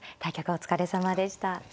お疲れさまでした。